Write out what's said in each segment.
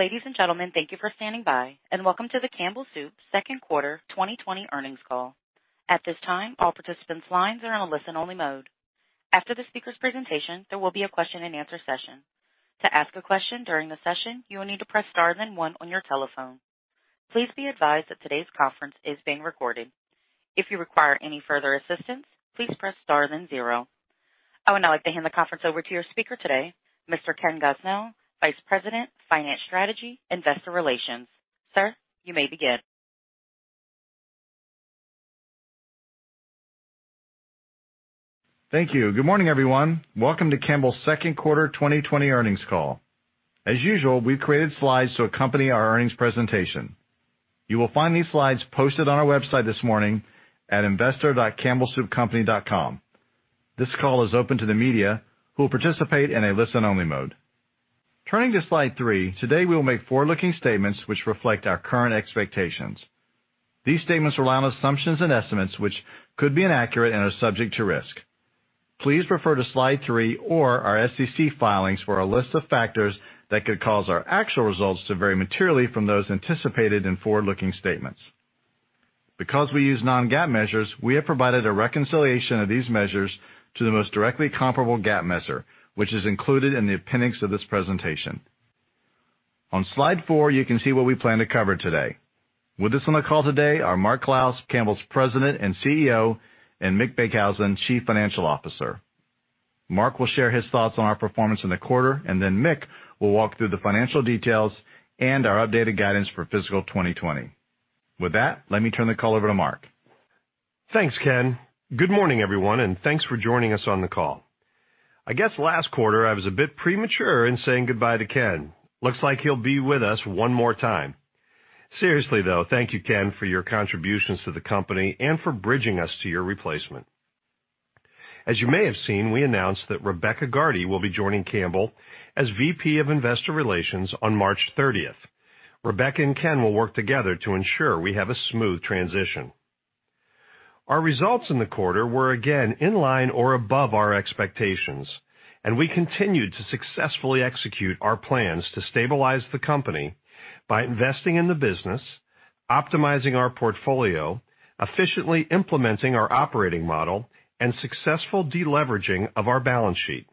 Ladies and gentlemen, thank you for standing by, and welcome to The Campbell Soup's second quarter 2020 earnings call. At this time, all participants' lines are on a listen-only mode. After the speaker's presentation, there will be a question and answer session. To ask a question during the session, you will need to press star then one on your telephone. Please be advised that today's conference is being recorded. If you require any further assistance, please press star then zero. I would now like to hand the conference over to your speaker today, Mr. Ken Gosnell, Vice President, Finance Strategy, Investor Relations. Sir, you may begin. Thank you. Good morning, everyone. Welcome to Campbell's second quarter 2020 earnings call. As usual, we've created slides to accompany our earnings presentation. You will find these slides posted on our website this morning at investor.campbellsoupcompany.com. This call is open to the media who will participate in a listen-only mode. Turning to slide three, today we will make forward-looking statements which reflect our current expectations. These statements rely on assumptions and estimates, which could be inaccurate and are subject to risk. Please refer to slide three or our SEC filings for a list of factors that could cause our actual results to vary materially from those anticipated in forward-looking statements. Because we use non-GAAP measures, we have provided a reconciliation of these measures to the most directly comparable GAAP measure, which is included in the appendix of this presentation. On slide four, you can see what we plan to cover today. With us on the call today are Mark Clouse, Campbell's President and CEO, and Mick Beekhuizen, Chief Financial Officer. Mark will share his thoughts on our performance in the quarter, and then Mick will walk through the financial details and our updated guidance for fiscal 2020. With that, let me turn the call over to Mark. Thanks, Ken. Good morning, everyone, and thanks for joining us on the call. I guess last quarter I was a bit premature in saying goodbye to Ken. Looks like he'll be with us one more time. Seriously, though, thank you, Ken, for your contributions to the company and for bridging us to your replacement. As you may have seen, we announced that Rebecca Gardy will be joining Campbell as VP of Investor Relations on March 30th. Rebecca and Ken will work together to ensure we have a smooth transition. Our results in the quarter were again in line or above our expectations, and we continued to successfully execute our plans to stabilize the company by investing in the business, optimizing our portfolio, efficiently implementing our operating model, and successful deleveraging of our balance sheet.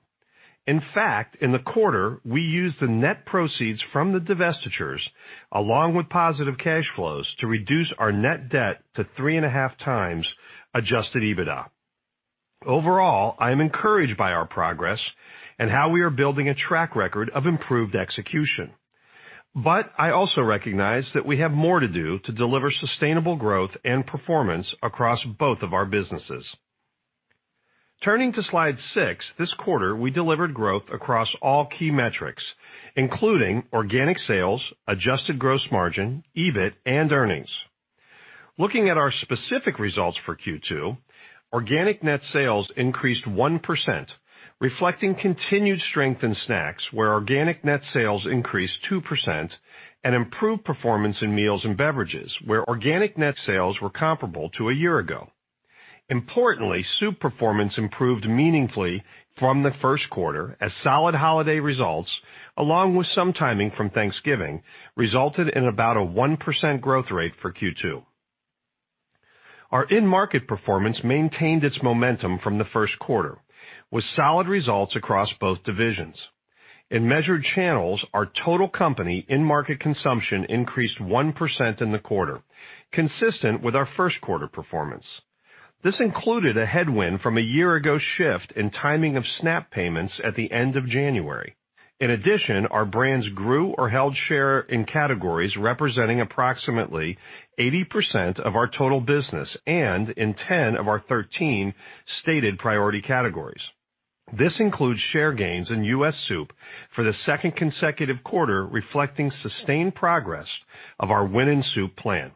In fact, in the quarter, we used the net proceeds from the divestitures, along with positive cash flows, to reduce our net debt to 3.5 times adjusted EBITDA. Overall, I am encouraged by our progress and how we are building a track record of improved execution. I also recognize that we have more to do to deliver sustainable growth and performance across both of our businesses. Turning to slide six, this quarter we delivered growth across all key metrics, including organic sales, adjusted gross margin, EBIT, and earnings. Looking at our specific results for Q2, organic net sales increased 1%, reflecting continued strength in snacks, where organic net sales increased 2%, and improved performance in meals and beverages, where organic net sales were comparable to a year ago. Importantly, soup performance improved meaningfully from the first quarter as solid holiday results, along with some timing from Thanksgiving, resulted in about a 1% growth rate for Q2. Our in-market performance maintained its momentum from the first quarter, with solid results across both divisions. In measured channels, our total company in-market consumption increased 1% in the quarter, consistent with our first quarter performance. This included a headwind from a year-ago shift in timing of SNAP payments at the end of January. Our brands grew or held share in categories representing approximately 80% of our total business and in 10 of our 13 stated priority categories. This includes share gains in U.S. soup for the second consecutive quarter, reflecting sustained progress of our Win in Soup plan.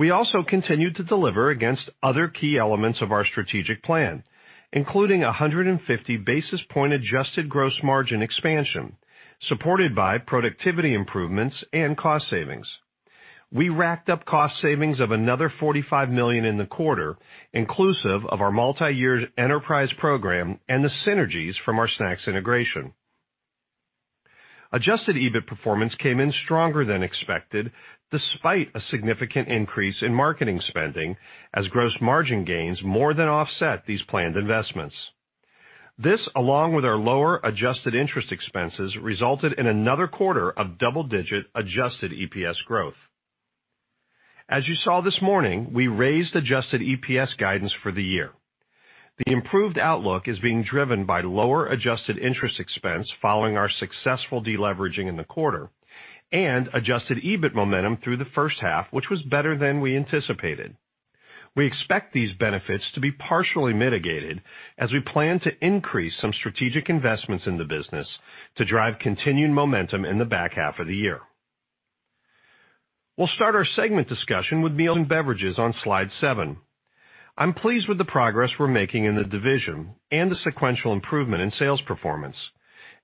We also continued to deliver against other key elements of our strategic plan, including 150 basis point adjusted gross margin expansion, supported by productivity improvements and cost savings. We racked up cost savings of another $45 million in the quarter, inclusive of our multi-year enterprise program and the synergies from our Snacks integration. Adjusted EBIT performance came in stronger than expected, despite a significant increase in marketing spending, as gross margin gains more than offset these planned investments. This, along with our lower adjusted interest expenses, resulted in another quarter of double-digit adjusted EPS growth. As you saw this morning, we raised adjusted EPS guidance for the year. The improved outlook is being driven by lower adjusted interest expense following our successful deleveraging in the quarter and adjusted EBIT momentum through the first half, which was better than we anticipated. We expect these benefits to be partially mitigated as we plan to increase some strategic investments in the business to drive continued momentum in the back half of the year. We'll start our segment discussion with Meals & Beverages on slide seven. I'm pleased with the progress we're making in the division and the sequential improvement in sales performance.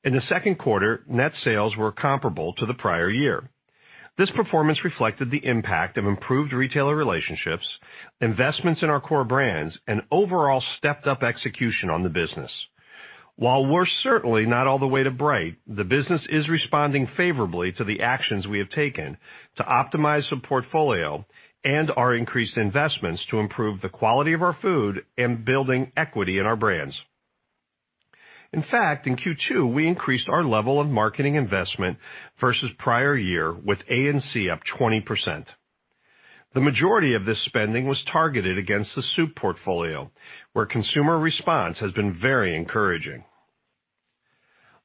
In the second quarter, net sales were comparable to the prior year. This performance reflected the impact of improved retailer relationships, investments in our core brands, and overall stepped-up execution on the business. While we're certainly not all the way to bright, the business is responding favorably to the actions we have taken to optimize the portfolio and our increased investments to improve the quality of our food and building equity in our brands. In fact, in Q2, we increased our level of marketing investment versus prior year with A&C up 20%. The majority of this spending was targeted against the soup portfolio, where consumer response has been very encouraging.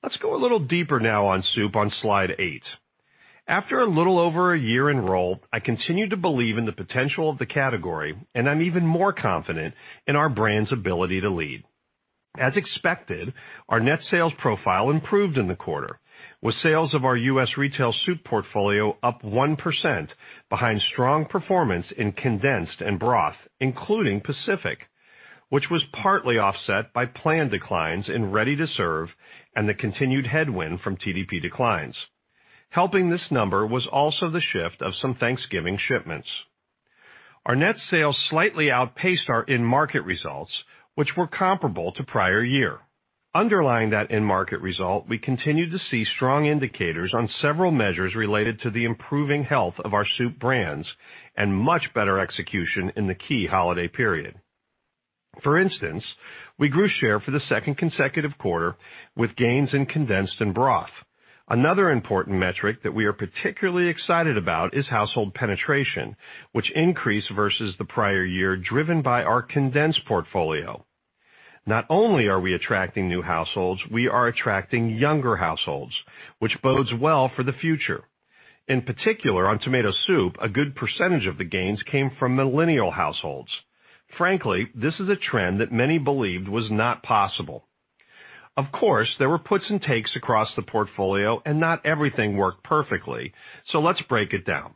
Let's go a little deeper now on soup on slide eight. After a little over a year in role, I continue to believe in the potential of the category, and I'm even more confident in our brand's ability to lead. As expected, our net sales profile improved in the quarter, with sales of our U.S. retail soup portfolio up 1% behind strong performance in condensed and broth, including Pacific Foods, which was partly offset by planned declines in ready-to-serve and the continued headwind from TDP declines. Helping this number was also the shift of some Thanksgiving shipments. Our net sales slightly outpaced our in-market results, which were comparable to prior year. Underlying that in-market result, we continued to see strong indicators on several measures related to the improving health of our soup brands and much better execution in the key holiday period. We grew share for the second consecutive quarter with gains in condensed and broth. Another important metric that we are particularly excited about is household penetration, which increased versus the prior year, driven by our condensed portfolio. Not only are we attracting new households, we are attracting younger households, which bodes well for the future. In particular, on tomato soup, a good percentage of the gains came from millennial households. Frankly, this is a trend that many believed was not possible. There were puts and takes across the portfolio, not everything worked perfectly. Let's break it down.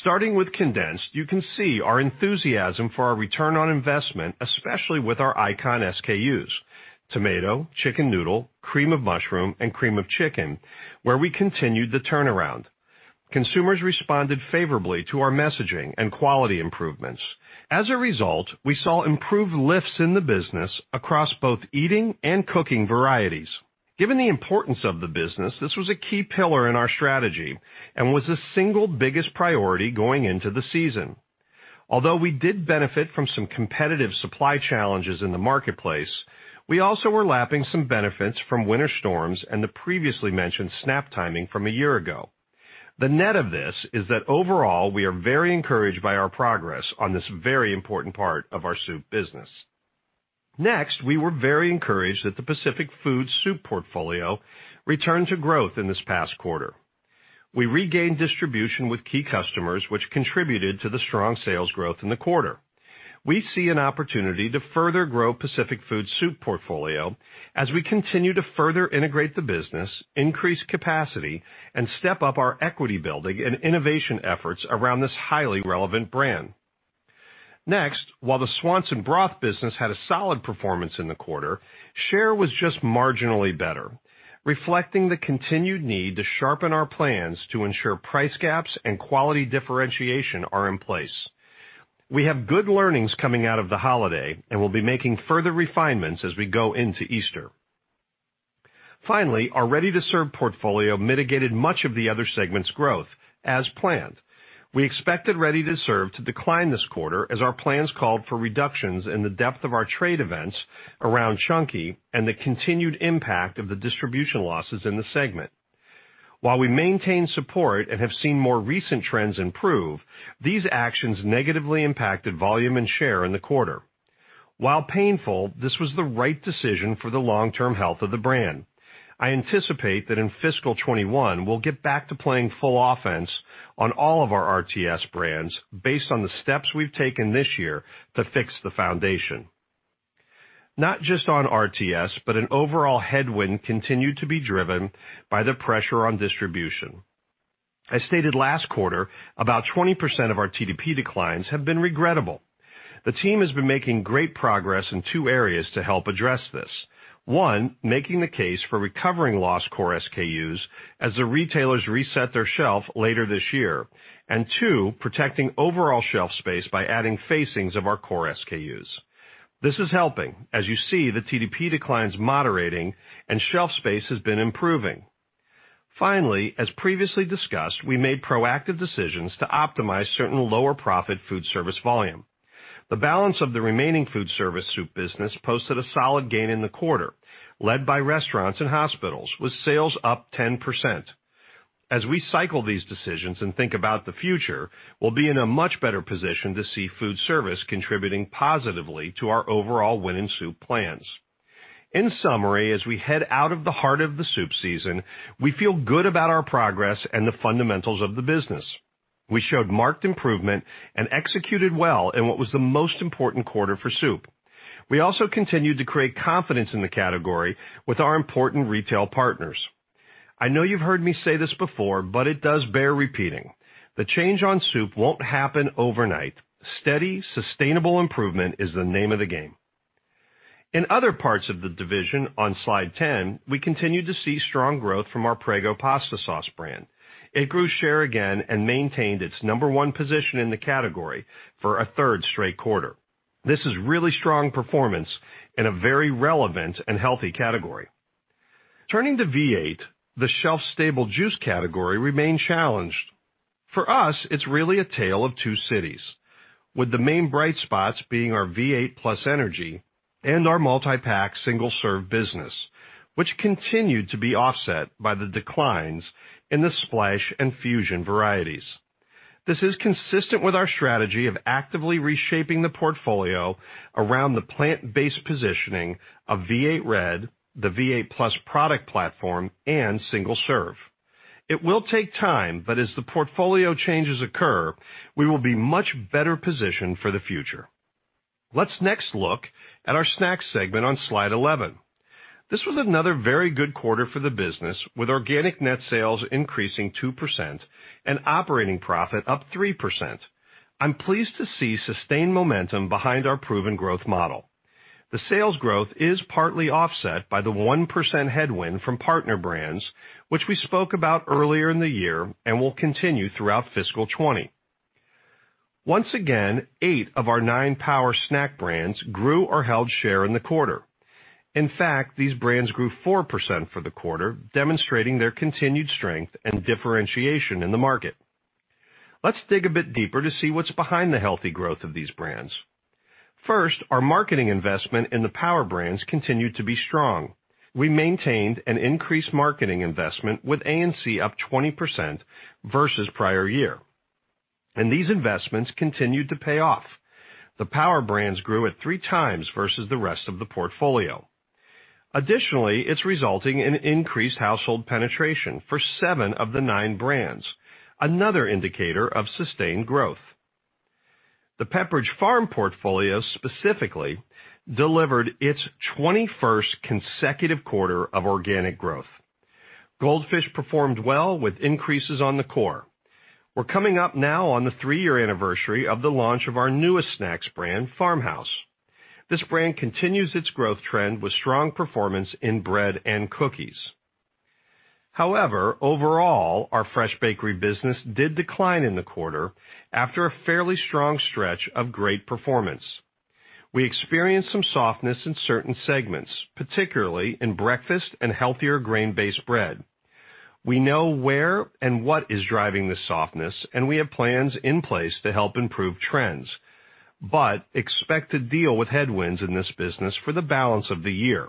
Starting with condensed, you can see our enthusiasm for our return on investment, especially with our icon SKUs, tomato, chicken noodle, cream of mushroom, and cream of chicken, where we continued the turnaround. Consumers responded favorably to our messaging and quality improvements. As a result, we saw improved lifts in the business across both eating and cooking varieties. Given the importance of the business, this was a key pillar in our strategy and was the single biggest priority going into the season. Although we did benefit from some competitive supply challenges in the marketplace, we also were lapping some benefits from winter storms and the previously mentioned SNAP timing from a year ago. The net of this is that overall, we are very encouraged by our progress on this very important part of our soup business. We were very encouraged that the Pacific Foods soup portfolio returned to growth in this past quarter. We regained distribution with key customers, which contributed to the strong sales growth in the quarter. We see an opportunity to further grow Pacific Foods soup portfolio as we continue to further integrate the business, increase capacity, and step up our equity building and innovation efforts around this highly relevant brand. While the Swanson broth business had a solid performance in the quarter, share was just marginally better, reflecting the continued need to sharpen our plans to ensure price gaps and quality differentiation are in place. We have good learnings coming out of the holiday, and we'll be making further refinements as we go into Easter. Our ready-to-serve portfolio mitigated much of the other segment's growth as planned. We expected ready-to-serve to decline this quarter as our plans called for reductions in the depth of our trade events around Chunky and the continued impact of the distribution losses in the segment. While we maintain support and have seen more recent trends improve, these actions negatively impacted volume and share in the quarter. While painful, this was the right decision for the long-term health of the brand. I anticipate that in fiscal 2021, we'll get back to playing full offense on all of our RTS brands based on the steps we've taken this year to fix the foundation. Not just on RTS, but an overall headwind continued to be driven by the pressure on distribution. I stated last quarter, about 20% of our TDP declines have been regrettable. The team has been making great progress in two areas to help address this. One, making the case for recovering lost core SKUs as the retailers reset their shelf later this year. Two, protecting overall shelf space by adding facings of our core SKUs. This is helping. As you see, the TDP decline's moderating and shelf space has been improving. Finally, as previously discussed, we made proactive decisions to optimize certain lower-profit food service volume. The balance of the remaining food service soup business posted a solid gain in the quarter, led by restaurants and hospitals, with sales up 10%. As we cycle these decisions and think about the future, we'll be in a much better position to see food service contributing positively to our overall win in soup plans. In summary, as we head out of the heart of the soup season, we feel good about our progress and the fundamentals of the business. We showed marked improvement and executed well in what was the most important quarter for soup. We also continued to create confidence in the category with our important retail partners. I know you've heard me say this before, but it does bear repeating. The change on soup won't happen overnight. Steady, sustainable improvement is the name of the game. In other parts of the division, on slide 10, we continue to see strong growth from our Prego pasta sauce brand. It grew share again and maintained its number one position in the category for a third straight quarter. This is really strong performance in a very relevant and healthy category. Turning to V8, the shelf-stable juice category remained challenged. For us, it's really a tale of two cities, with the main bright spots being our V8+ Energy and our multi-pack single-serve business, which continued to be offset by the declines in the V8 Splash and V8 V-Fusion varieties. This is consistent with our strategy of actively reshaping the portfolio around the plant-based positioning of V8 Red, the V8+ product platform, and single serve. It will take time, but as the portfolio changes occur, we will be much better positioned for the future. Let's next look at our Snacks segment on slide 11. This was another very good quarter for the business, with organic net sales increasing 2% and operating profit up 3%. I'm pleased to see sustained momentum behind our proven growth model. The sales growth is partly offset by the 1% headwind from partner brands, which we spoke about earlier in the year and will continue throughout fiscal 2020. Once again, eight of our nine power snack brands grew or held share in the quarter. In fact, these brands grew 4% for the quarter, demonstrating their continued strength and differentiation in the market. Let's dig a bit deeper to see what's behind the healthy growth of these brands. First, our marketing investment in the power brands continued to be strong. We maintained an increased marketing investment with A&C up 20% versus prior year, and these investments continued to pay off. The power brands grew at three times versus the rest of the portfolio. Additionally, it's resulting in increased household penetration for seven of the nine brands, another indicator of sustained growth. The Pepperidge Farm portfolio specifically delivered its 21st consecutive quarter of organic growth. Goldfish performed well with increases on the core. We're coming up now on the three-year anniversary of the launch of our newest snacks brand, Farmhouse. This brand continues its growth trend with strong performance in bread and cookies. However, overall, our fresh bakery business did decline in the quarter after a fairly strong stretch of great performance. We experienced some softness in certain segments, particularly in breakfast and healthier grain-based bread. We know where and what is driving the softness, and we have plans in place to help improve trends, but expect to deal with headwinds in this business for the balance of the year.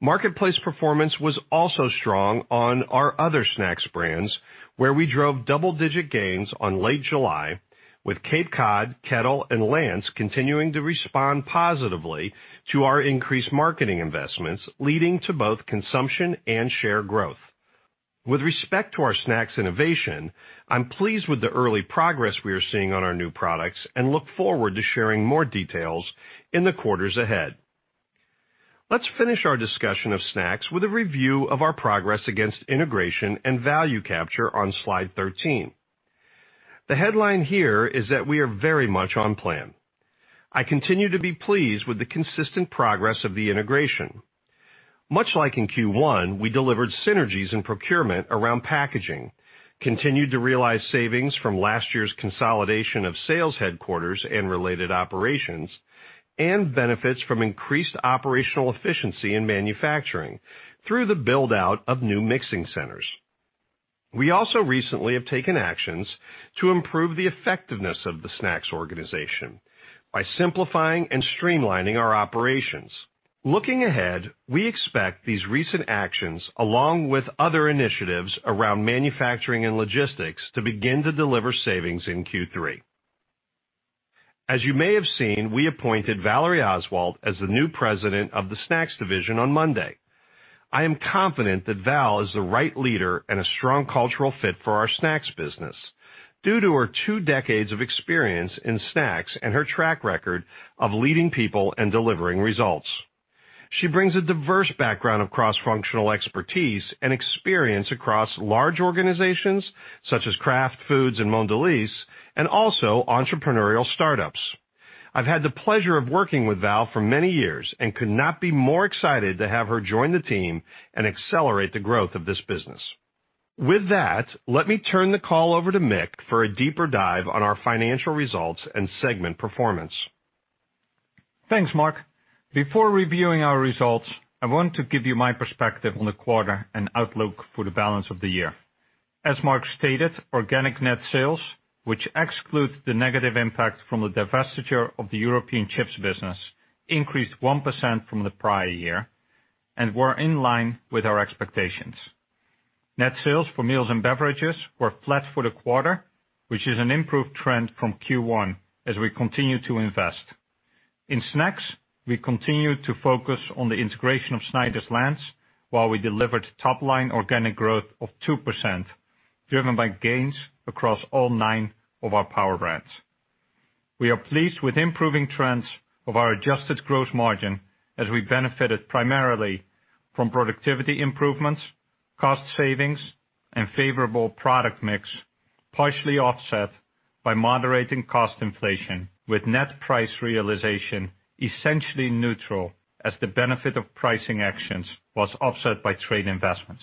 Marketplace performance was also strong on our other snacks brands, where we drove double-digit gains on Late July with Cape Cod, Kettle, and Lance continuing to respond positively to our increased marketing investments, leading to both consumption and share growth. With respect to our snacks innovation, I'm pleased with the early progress we are seeing on our new products and look forward to sharing more details in the quarters ahead. Let's finish our discussion of snacks with a review of our progress against integration and value capture on slide 13. The headline here is that we are very much on plan. I continue to be pleased with the consistent progress of the integration. Much like in Q1, we delivered synergies in procurement around packaging, continued to realize savings from last year's consolidation of sales headquarters and related operations, and benefits from increased operational efficiency in manufacturing through the build-out of new mixing centers. We also recently have taken actions to improve the effectiveness of the Snacks organization by simplifying and streamlining our operations. Looking ahead, we expect these recent actions, along with other initiatives around manufacturing and logistics, to begin to deliver savings in Q3. As you may have seen, we appointed Valerie Oswalt as the new President of the Snacks Division on Monday. I am confident that Val is the right leader and a strong cultural fit for our Snacks business due to her two decades of experience in snacks and her track record of leading people and delivering results. She brings a diverse background of cross-functional expertise and experience across large organizations such as Kraft Foods and Mondelēz, and also entrepreneurial startups. I've had the pleasure of working with Val for many years and could not be more excited to have her join the team and accelerate the growth of this business. With that, let me turn the call over to Mick for a deeper dive on our financial results and segment performance. Thanks, Mark. Before reviewing our results, I want to give you my perspective on the quarter and outlook for the balance of the year. As Mark stated, organic net sales, which excludes the negative impact from the divestiture of the European chips business, increased 1% from the prior year and were in line with our expectations. Net sales for Meals & Beverages were flat for the quarter, which is an improved trend from Q1 as we continue to invest. In snacks, we continued to focus on the integration of Snyder's-Lance while we delivered top-line organic growth of 2%, driven by gains across all nine of our power brands. We are pleased with improving trends of our adjusted gross margin as we benefited primarily from productivity improvements, cost savings, and favorable product mix. Partially offset by moderating cost inflation with net price realization essentially neutral as the benefit of pricing actions was offset by trade investments.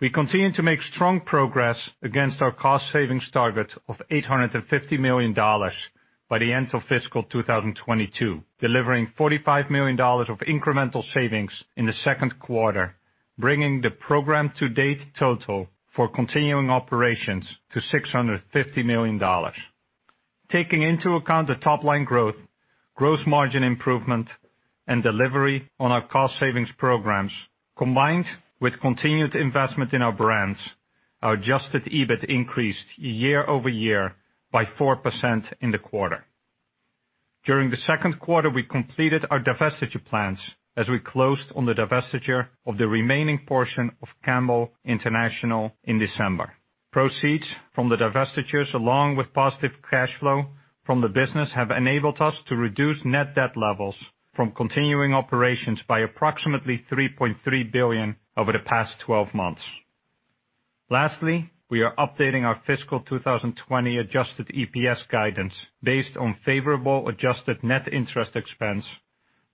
We continue to make strong progress against our cost savings target of $850 million by the end of fiscal 2022, delivering $45 million of incremental savings in the second quarter, bringing the program to date total for continuing operations to $650 million. Taking into account the top line growth, gross margin improvement, and delivery on our cost savings programs, combined with continued investment in our brands, our adjusted EBIT increased year-over-year by 4% in the quarter. During the second quarter, we completed our divestiture plans as we closed on the divestiture of the remaining portion of Campbell International in December. Proceeds from the divestitures, along with positive cash flow from the business, have enabled us to reduce net debt levels from continuing operations by approximately $3.3 billion over the past 12 months. Lastly, we are updating our fiscal 2020 adjusted EPS guidance based on favorable adjusted net interest expense,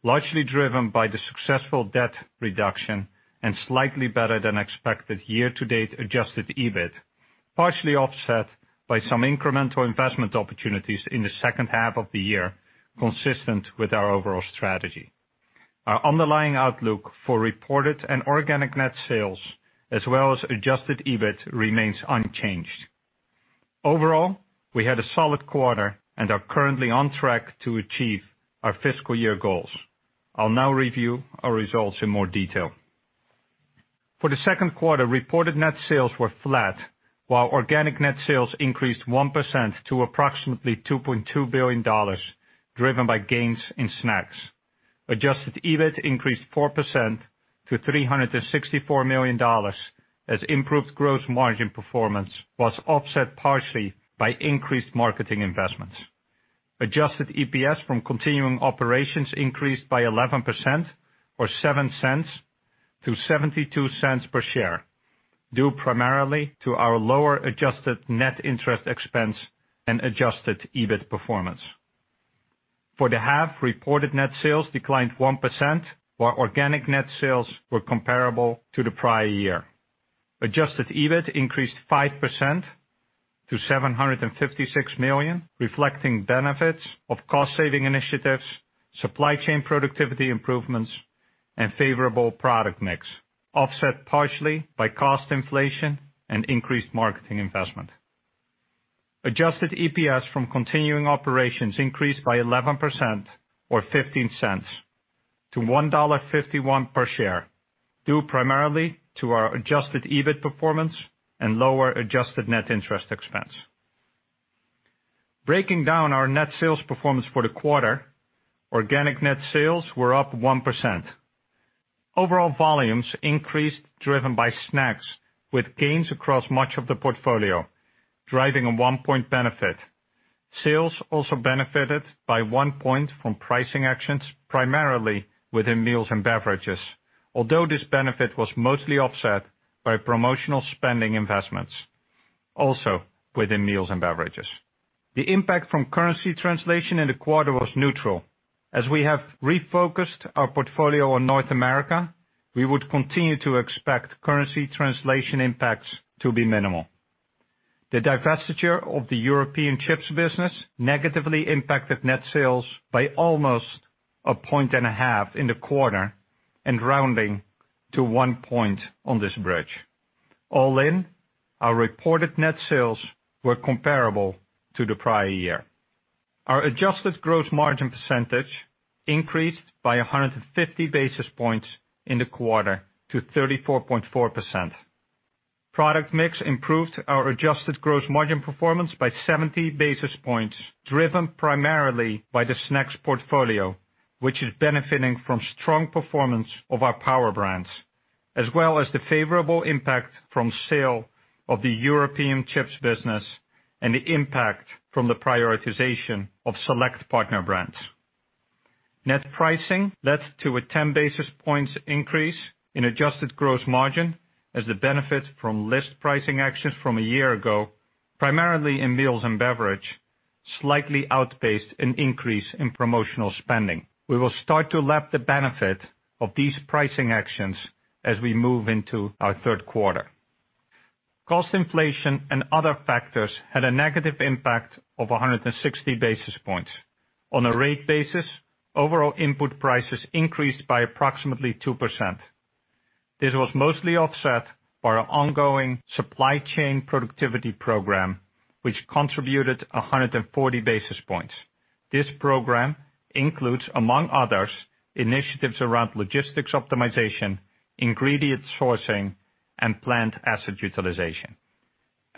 largely driven by the successful debt reduction and slightly better than expected year to date adjusted EBIT, partially offset by some incremental investment opportunities in the second half of the year, consistent with our overall strategy. Our underlying outlook for reported and organic net sales, as well as adjusted EBIT remains unchanged. Overall, we had a solid quarter and are currently on track to achieve our fiscal year goals. I'll now review our results in more detail. For the second quarter, reported net sales were flat, while organic net sales increased 1% to approximately $2.2 billion, driven by gains in snacks. Adjusted EBIT increased 4% to $364 million as improved gross margin performance was offset partially by increased marketing investments. Adjusted EPS from continuing operations increased by 11%, or $0.07 to $0.72 per share, due primarily to our lower adjusted net interest expense and adjusted EBIT performance. For the half, reported net sales declined 1%, while organic net sales were comparable to the prior year. Adjusted EBIT increased 5% to $756 million, reflecting benefits of cost saving initiatives, supply chain productivity improvements, and favorable product mix, offset partially by cost inflation and increased marketing investment. Adjusted EPS from continuing operations increased by 11%, or $0.15, to $1.51 per share, due primarily to our adjusted EBIT performance and lower adjusted net interest expense. Breaking down our net sales performance for the quarter, organic net sales were up 1%. Overall volumes increased, driven by snacks, with gains across much of the portfolio, driving a one point benefit. Sales also benefited by one point from pricing actions, primarily within Meals & Beverages, although this benefit was mostly offset by promotional spending investments, also within Meals & Beverages. The impact from currency translation in the quarter was neutral. As we have refocused our portfolio on North America, we would continue to expect currency translation impacts to be minimal. The divestiture of the European chips business negatively impacted net sales by almost a point and a half in the quarter and rounding to one point on this bridge. All in, our reported net sales were comparable to the prior year. Our adjusted gross margin percentage increased by 150 basis points in the quarter to 34.4%. Product mix improved our adjusted gross margin performance by 70 basis points, driven primarily by the snacks portfolio, which is benefiting from strong performance of our power brands, as well as the favorable impact from sale of the European chips business and the impact from the prioritization of select partner brands. Net pricing led to a 10 basis points increase in adjusted gross margin as the benefit from list pricing actions from a year ago, primarily in meals and beverage, slightly outpaced an increase in promotional spending. We will start to lap the benefit of these pricing actions as we move into our third quarter. Cost inflation and other factors had a negative impact of 160 basis points. On a rate basis, overall input prices increased by approximately 2%. This was mostly offset by our ongoing supply chain productivity program, which contributed 140 basis points. This program includes, among others, initiatives around logistics optimization, ingredient sourcing, and plant asset utilization.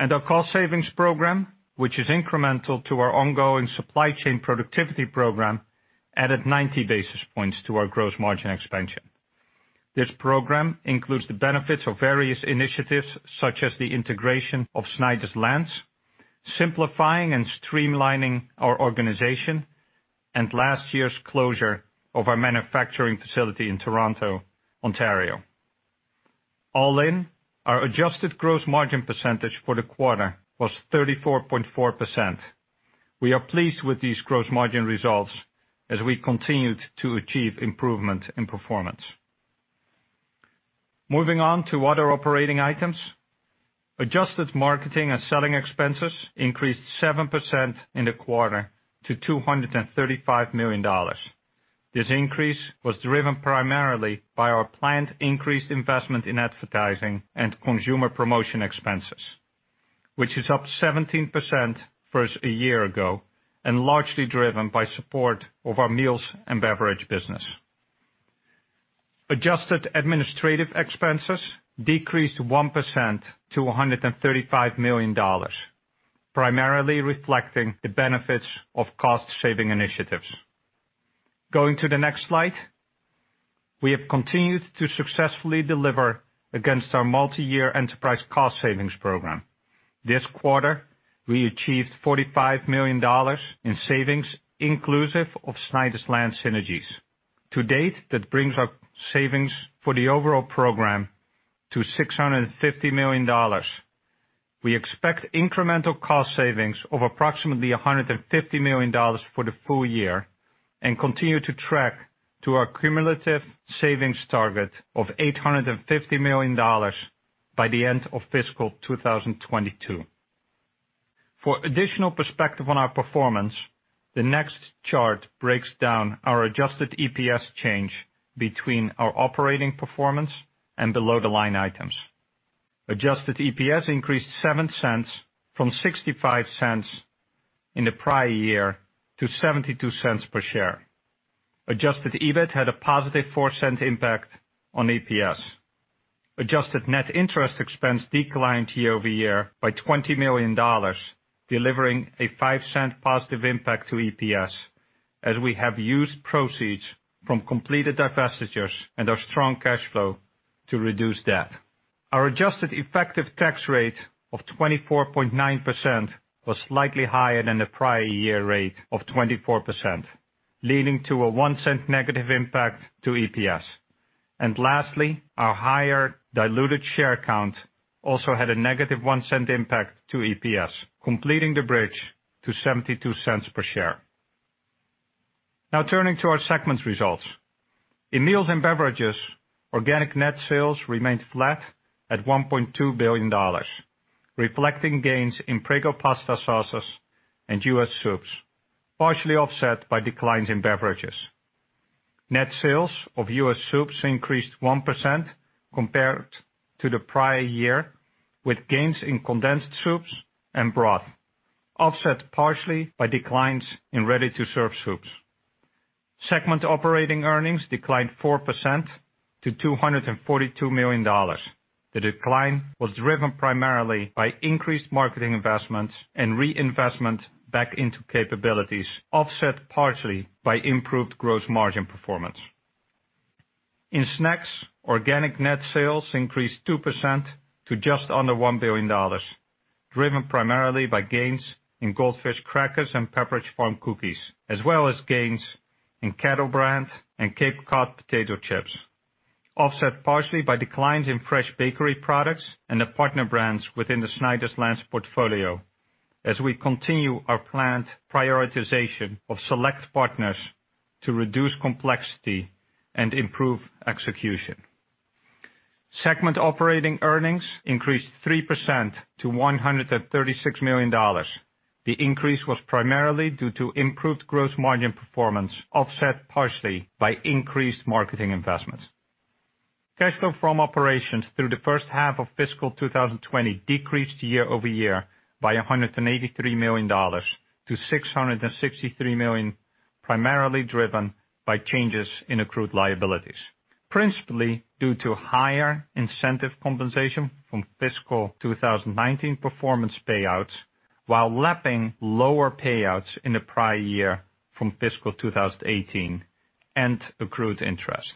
Our cost savings program, which is incremental to our ongoing supply chain productivity program, added 90 basis points to our gross margin expansion. This program includes the benefits of various initiatives such as the integration of Snyder's-Lance, simplifying and streamlining our organization, and last year's closure of our manufacturing facility in Toronto, Ontario. All in, our adjusted gross margin percentage for the quarter was 34.4%. We are pleased with these gross margin results as we continued to achieve improvement in performance. Moving on to other operating items. Adjusted marketing and selling expenses increased 7% in the quarter to $235 million. This increase was driven primarily by our planned increased investment in advertising and consumer promotion expenses, which is up 17% versus a year ago, and largely driven by support of our meals and beverage business. Adjusted administrative expenses decreased 1% to $135 million, primarily reflecting the benefits of cost-saving initiatives. Going to the next slide, we have continued to successfully deliver against our multi-year enterprise cost savings program. This quarter, we achieved $45 million in savings, inclusive of Snyder's-Lance synergies. To date, that brings our savings for the overall program to $650 million. We expect incremental cost savings of approximately $150 million for the full year and continue to track to our cumulative savings target of $850 million by the end of fiscal 2022. For additional perspective on our performance, the next chart breaks down our adjusted EPS change between our operating performance and below-the-line items. Adjusted EPS increased $0.07 from $0.65 in the prior year to $0.72 per share. Adjusted EBIT had a positive $0.04 impact on EPS. Adjusted net interest expense declined year-over-year by $20 million, delivering a $0.05 positive impact to EPS, as we have used proceeds from completed divestitures and our strong cash flow to reduce debt. Our adjusted effective tax rate of 24.9% was slightly higher than the prior year rate of 24%, leading to a $0.01 negative impact to EPS. Lastly, our higher diluted share count also had a negative $0.01 impact to EPS, completing the bridge to $0.72 per share. Turning to our segments results. In Meals & Beverages, organic net sales remained flat at $1.2 billion, reflecting gains in Prego pasta sauces and U.S. soups, partially offset by declines in beverages. Net sales of U.S. soups increased 1% compared to the prior year, with gains in condensed soups and broth, offset partially by declines in ready-to-serve soups. Segment operating earnings declined 4% to $242 million. The decline was driven primarily by increased marketing investments and reinvestment back into capabilities, offset partially by improved gross margin performance. In snacks, organic net sales increased 2% to just under $1 billion, driven primarily by gains in Goldfish crackers and Pepperidge Farm cookies, as well as gains in Kettle Brand and Cape Cod potato chips, offset partially by declines in fresh bakery products and the partner brands within the Snyder's-Lance portfolio as we continue our planned prioritization of select partners to reduce complexity and improve execution. Segment operating earnings increased 3% to $136 million. The increase was primarily due to improved gross margin performance, offset partially by increased marketing investments. Cash flow from operations through the first half of FY 2020 decreased year-over-year by $183 million to $663 million, primarily driven by changes in accrued liabilities, principally due to higher incentive compensation from FY 2019 performance payouts while lapping lower payouts in the prior year from FY 2018 and accrued interest.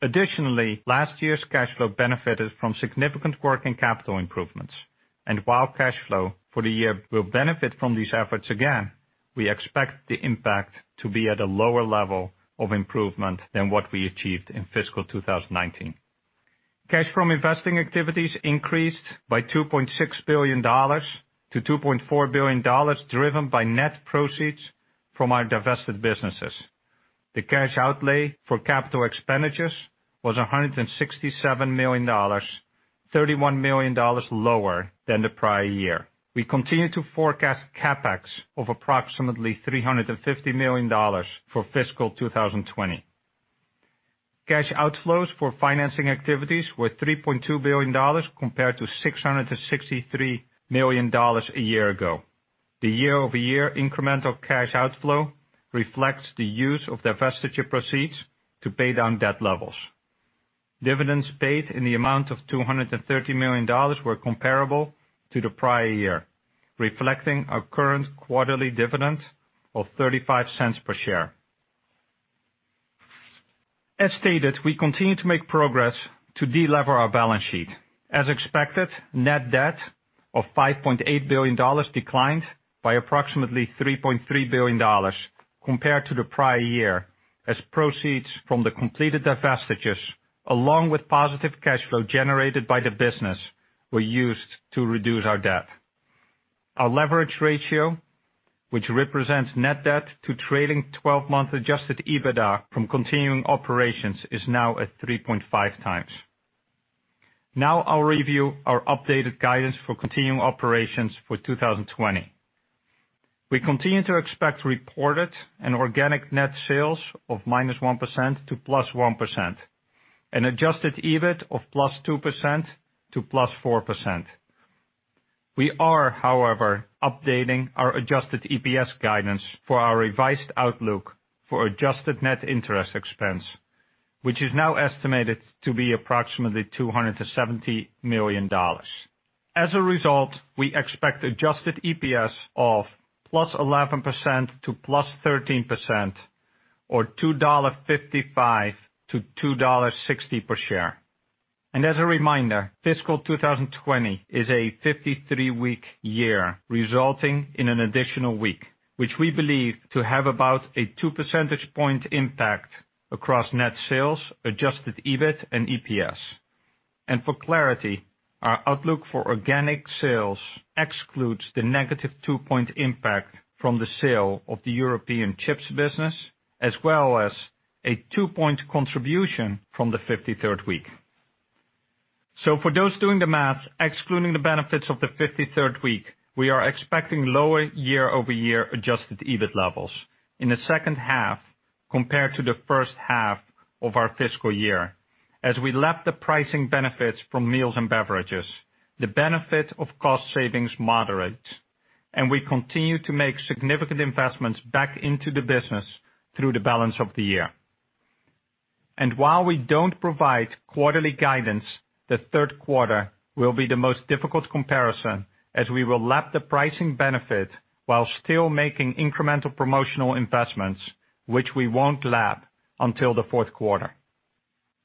Last year's cash flow benefited from significant working capital improvements. While cash flow for the year will benefit from these efforts again, we expect the impact to be at a lower level of improvement than what we achieved in FY 2019. Cash from investing activities increased by $2.6 billion-$2.4 billion, driven by net proceeds from our divested businesses. The cash outlay for capital expenditures was $167 million, $31 million lower than the prior year. We continue to forecast CapEx of approximately $350 million for FY 2020. Cash outflows for financing activities were $3.2 billion compared to $663 million a year ago. The year-over-year incremental cash outflow reflects the use of divestiture proceeds to pay down debt levels. Dividends paid in the amount of $230 million were comparable to the prior year, reflecting our current quarterly dividend of $0.35 per share. As stated, we continue to make progress to de-lever our balance sheet. As expected, net debt of $5.8 billion declined by approximately $3.3 billion compared to the prior year, as proceeds from the completed divestitures, along with positive cash flow generated by the business, were used to reduce our debt. Our leverage ratio, which represents net debt to trading 12 months adjusted EBITDA from continuing operations, is now at 3.5 times. I'll review our updated guidance for continuing operations for 2020. We continue to expect reported and organic net sales of -1% to +1%, and adjusted EBIT of +2% to +4%. We are, however, updating our adjusted EPS guidance for our revised outlook for adjusted net interest expense, which is now estimated to be approximately $270 million. We expect adjusted EPS of +11% to +13%, or $2.55-$2.60 per share. As a reminder, fiscal 2020 is a 53-week year, resulting in an additional week, which we believe to have about a two percentage point impact across net sales, adjusted EBIT and EPS. For clarity, our outlook for organic sales excludes the negative two-point impact from the sale of the European chips business, as well as a two-point contribution from the 53rd week. For those doing the math, excluding the benefits of the 53rd week, we are expecting lower year-over-year adjusted EBIT levels in the second half compared to the first half of our fiscal year. As we lap the pricing benefits from meals and beverages, the benefit of cost savings moderates, and we continue to make significant investments back into the business through the balance of the year. While we don't provide quarterly guidance, the third quarter will be the most difficult comparison, as we will lap the pricing benefit while still making incremental promotional investments, which we won't lap until the fourth quarter.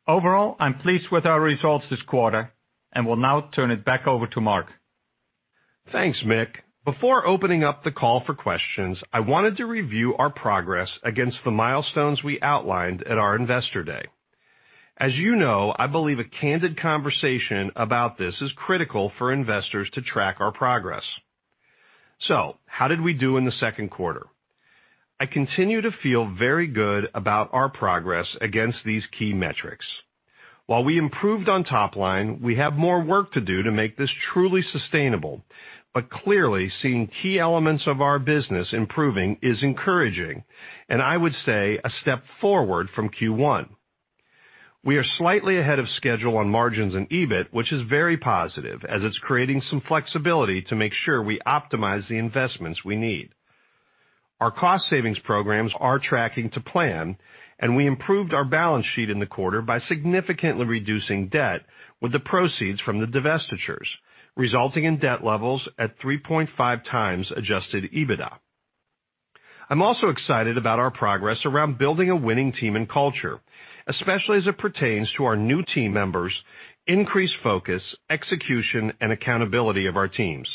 Overall, I'm pleased with our results this quarter and will now turn it back over to Mark. Thanks, Mick. Before opening up the call for questions, I wanted to review our progress against the milestones we outlined at our investor day. As you know, I believe a candid conversation about this is critical for investors to track our progress. How did we do in the second quarter? I continue to feel very good about our progress against these key metrics. While we improved on top line, we have more work to do to make this truly sustainable. Clearly, seeing key elements of our business improving is encouraging, and I would say a step forward from Q1. We are slightly ahead of schedule on margins and EBIT, which is very positive, as it's creating some flexibility to make sure we optimize the investments we need. Our cost savings programs are tracking to plan, and we improved our balance sheet in the quarter by significantly reducing debt with the proceeds from the divestitures, resulting in debt levels at 3.5 times adjusted EBITDA. I'm also excited about our progress around building a winning team and culture, especially as it pertains to our new team members, increased focus, execution, and accountability of our teams.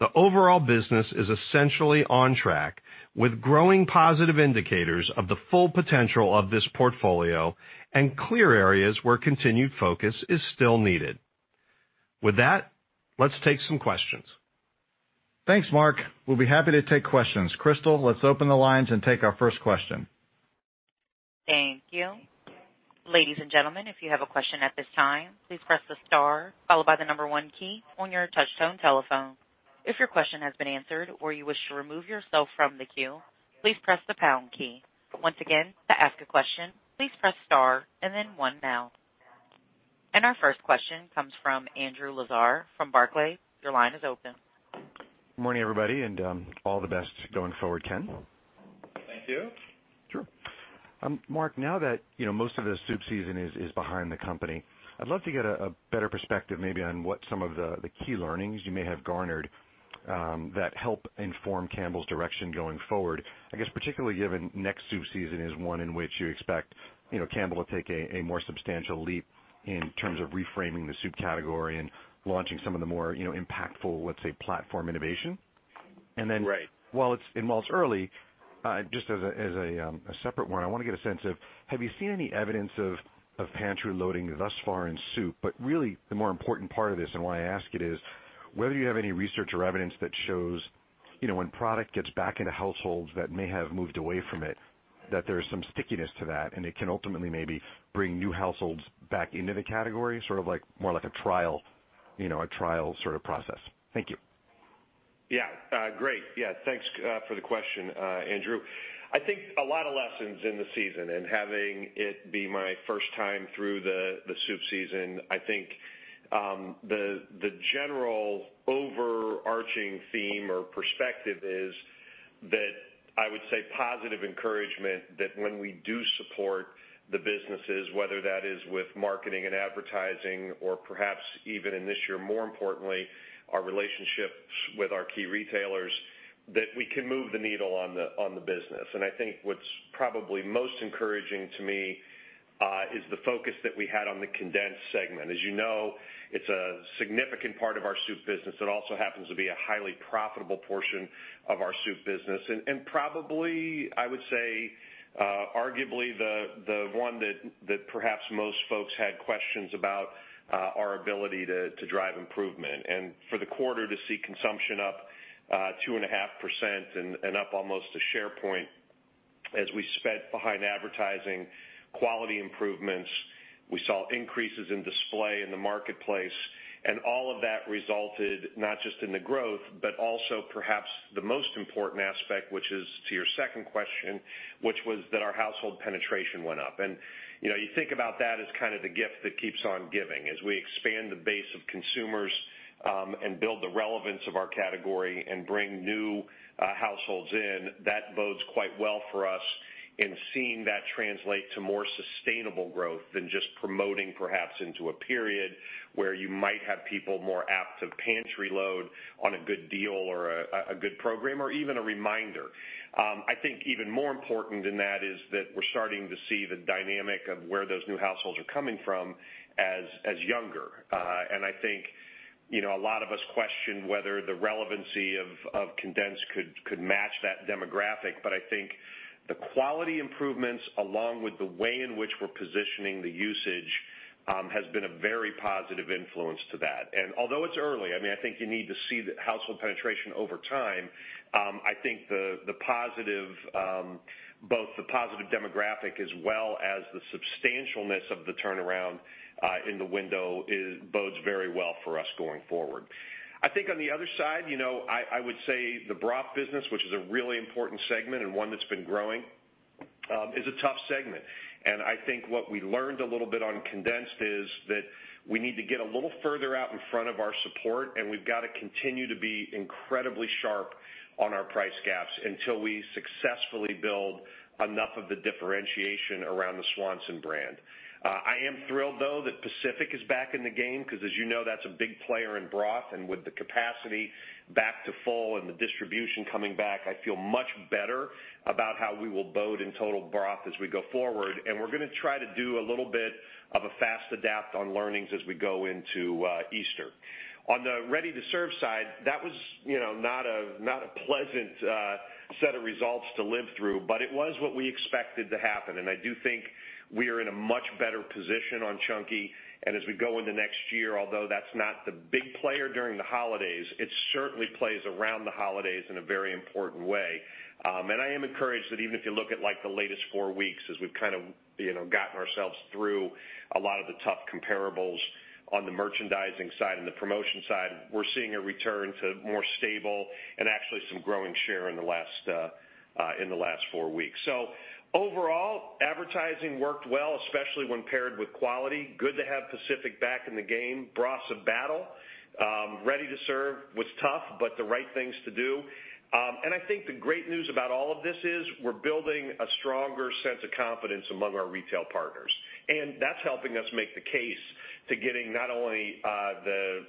The overall business is essentially on track with growing positive indicators of the full potential of this portfolio and clear areas where continued focus is still needed. With that, let's take some questions. Thanks, Mark. We'll be happy to take questions. Crystal, let's open the lines and take our first question. Thank you. Ladies and gentlemen, if you have a question at this time, please press the star followed by the number one key on your touchtone telephone. If your question has been answered or you wish to remove yourself from the queue, please press the pound key. Once again, to ask a question, please press star and then one now. Our first question comes from Andrew Lazar from Barclays. Your line is open. Good morning, everybody, and all the best going forward, Ken. Thank you. Sure. Mark, now that most of the soup season is behind the company, I'd love to get a better perspective maybe on what some of the key learnings you may have garnered that help inform Campbell's direction going forward, I guess particularly given next soup season is one in which you expect Campbell to take a more substantial leap in terms of reframing the soup category and launching some of the more impactful, let's say, platform innovation? Right. While it's early, just as a separate one, I want to get a sense of, have you seen any evidence of pantry loading thus far in soup? Really the more important part of this, and why I ask it, is whether you have any research or evidence that shows when product gets back into households that may have moved away from it, that there's some stickiness to that, and it can ultimately maybe bring new households back into the category, sort of more like a trial sort of process. Thank you. Yeah. Great. Thanks for the question, Andrew. I think a lot of lessons in the season and having it be my first time through the soup season. I think the general overarching theme or perspective is that I would say positive encouragement that when we do support the businesses, whether that is with marketing and advertising or perhaps even in this year, more importantly, our relationships with our key retailers, that we can move the needle on the business. I think what's probably most encouraging to me. Is the focus that we had on the condensed segment. As you know, it's a significant part of our soup business that also happens to be a highly profitable portion of our soup business. Probably, I would say, arguably the one that perhaps most folks had questions about our ability to drive improvement. For the quarter, to see consumption up 2.5% and up almost a share point as we spent behind advertising quality improvements, we saw increases in display in the marketplace, and all of that resulted not just in the growth, but also perhaps the most important aspect, which is to your second question, which was that our household penetration went up. You think about that as kind of the gift that keeps on giving. As we expand the base of consumers and build the relevance of our category and bring new households in, that bodes quite well for us in seeing that translate to more sustainable growth than just promoting perhaps into a period where you might have people more apt to pantry load on a good deal or a good program, or even a reminder. I think even more important than that is that we're starting to see the dynamic of where those new households are coming from as younger. I think a lot of us question whether the relevancy of condensed could match that demographic, I think the quality improvements, along with the way in which we're positioning the usage, has been a very positive influence to that. Although it's early, I think you need to see the household penetration over time, I think both the positive demographic as well as the substantialness of the turnaround in the window bodes very well for us going forward. On the other side, I would say the broth business, which is a really important segment and one that's been growing, is a tough segment. I think what we learned a little bit on condensed is that we need to get a little further out in front of our support, and we've got to continue to be incredibly sharp on our price gaps until we successfully build enough of the differentiation around the Swanson brand. I am thrilled, though, that Pacific is back in the game, because as you know, that's a big player in broth, and with the capacity back to full and the distribution coming back, I feel much better about how we will bode in total broth as we go forward. We're going to try to do a little bit of a fast adapt on learnings as we go into Easter. On the ready-to-serve side, that was not a pleasant set of results to live through, but it was what we expected to happen. I do think we are in a much better position on Chunky. As we go into next year, although that's not the big player during the holidays, it certainly plays around the holidays in a very important way. I am encouraged that even if you look at the latest four weeks, as we've kind of gotten ourselves through a lot of the tough comparables on the merchandising side and the promotion side, we're seeing a return to more stable and actually some growing share in the last four weeks. Overall, advertising worked well, especially when paired with quality. Good to have Pacific Foods back in the game. Broth's a battle. Ready-to-serve was tough, but the right things to do. I think the great news about all of this is we're building a stronger sense of confidence among our retail partners, and that's helping us make the case to getting not only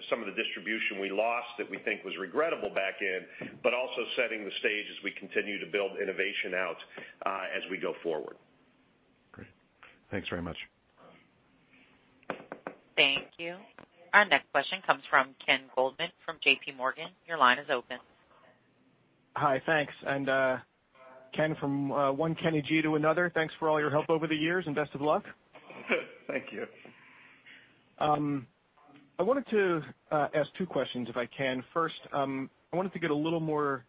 some of the distribution we lost that we think was regrettable back in, but also setting the stage as we continue to build innovation out as we go forward. Great. Thanks very much. Thank you. Our next question comes from Ken Goldman from JPMorgan. Your line is open. Hi, thanks. Ken, from one Kenny G to another, thanks for all your help over the years and best of luck. Thank you. I wanted to ask two questions if I can. First, I wanted to get a little more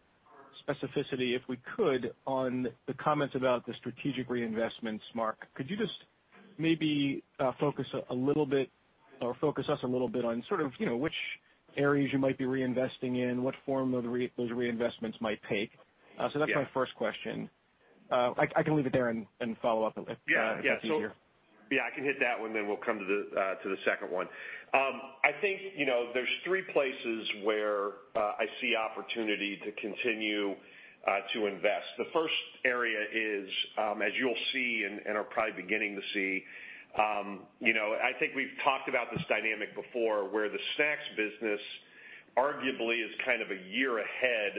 specificity, if we could, on the comments about the strategic reinvestments, Mark. Could you just maybe focus us a little bit on sort of which areas you might be reinvesting in, what form those reinvestments might take? Yeah. That's my first question. I can leave it there and follow up if that's easier. Yeah, I can hit that one, then we'll come to the second one. I think there's three places where I see opportunity to continue to invest. The first area is, as you'll see and are probably beginning to see, I think we've talked about this dynamic before, where the snacks business arguably is kind of a year ahead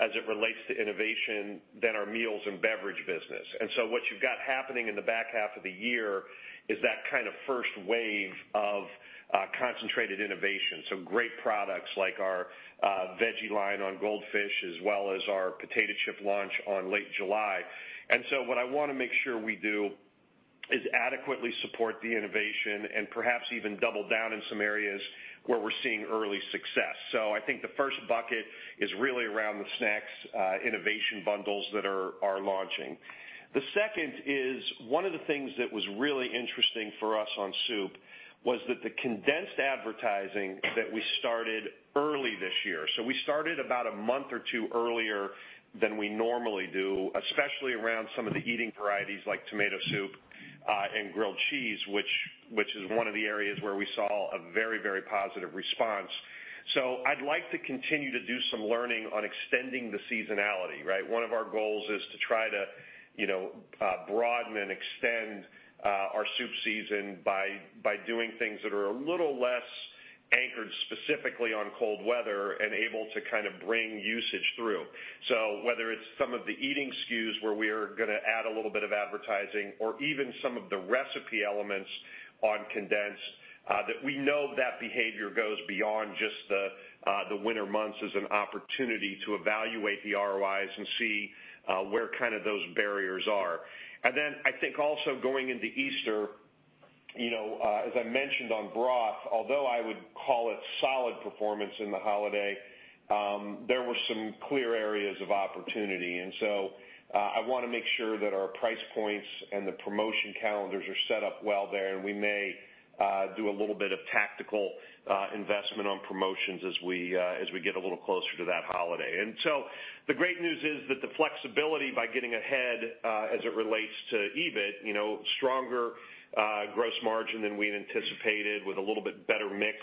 as it relates to innovation than our Meals & Beverages business. What you've got happening in the back half of the year is that kind of first wave of concentrated innovation. Some great products like our veggie line on Goldfish as well as our potato chip launch on Late July. What I want to make sure we do is adequately support the innovation and perhaps even double down in some areas where we're seeing early success. I think the first bucket is really around the snacks innovation bundles that are launching. The second is one of the things that was really interesting for us on soup was that the condensed advertising that we started early this year. We started about a month or two earlier than we normally do, especially around some of the eating varieties like tomato soup and grilled cheese, which is one of the areas where we saw a very positive response. I'd like to continue to do some learning on extending the seasonality, right? One of our goals is to try to broaden and extend our soup season by doing things that are a little less anchored specifically on cold weather and able to kind of bring usage through. Whether it's some of the eating SKUs where we're going to add a little bit of advertising or even some of the recipe elements on condensed, that we know that behavior goes beyond just the winter months as an opportunity to evaluate the ROIs and see where kind of those barriers are. Then I think also going into Easter, as I mentioned on broth, although I would call it solid performance in the holiday, there were some clear areas of opportunity. I want to make sure that our price points and the promotion calendars are set up well there, and we may do a little bit of tactical investment on promotions as we get a little closer to that holiday. The great news is that the flexibility by getting ahead, as it relates to EBIT, stronger gross margin than we'd anticipated with a little bit better mix,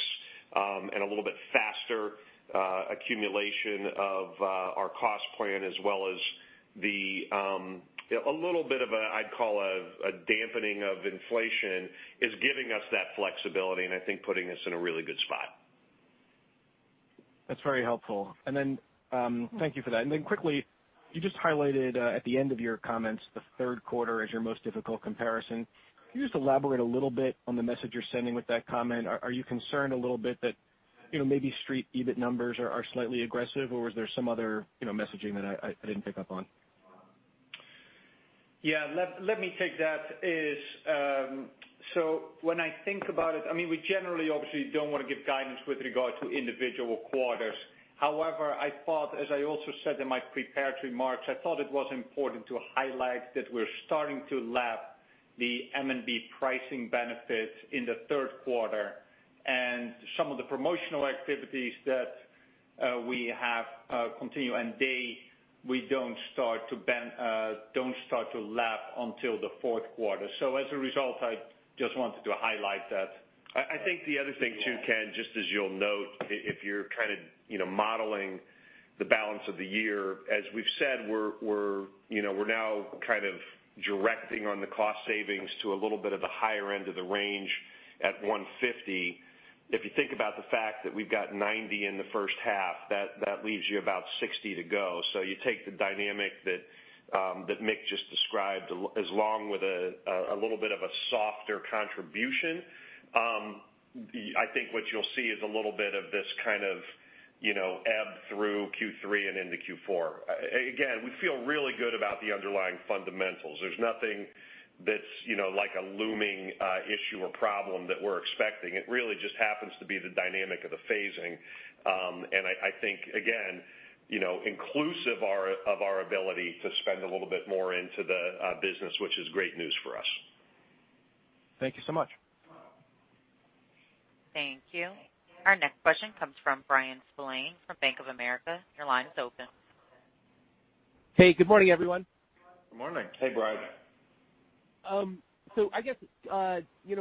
and a little bit faster accumulation of our cost plan, as well as a little bit of, I'd call a dampening of inflation is giving us that flexibility and I think putting us in a really good spot. That's very helpful. Thank you for that. Then quickly, you just highlighted, at the end of your comments, the third quarter as your most difficult comparison. Can you just elaborate a little bit on the message you're sending with that comment? Are you concerned a little bit that, maybe Street EBIT numbers are slightly aggressive, or was there some other messaging that I didn't pick up on? Yeah, let me take that. When I think about it, we generally obviously don't want to give guidance with regard to individual quarters. However, as I also said in my prepared remarks, I thought it was important to highlight that we're starting to lap the M&B pricing benefits in the third quarter, and some of the promotional activities that we have continue, and we don't start to lap until the fourth quarter. As a result, I just wanted to highlight that. I think the other thing too, Ken, just as you'll note, if you're kind of modeling the balance of the year, as we've said, we're now kind of directing on the cost savings to a little bit of the higher end of the range at 150. If you think about the fact that we've got 90 in the first half, that leaves you about 60 to go. You take the dynamic that Mick just described, along with a little bit of a softer contribution. I think what you'll see is a little bit of this kind of ebb through Q3 and into Q4. Again, we feel really good about the underlying fundamentals. There's nothing that's like a looming issue or problem that we're expecting. It really just happens to be the dynamic of the phasing. I think, again, inclusive of our ability to spend a little bit more into the business, which is great news for us. Thank you so much. Thank you. Our next question comes from Bryan Spillane from Bank of America. Your line is open. Hey, good morning, everyone. Good morning. Hey, Bryan. I guess,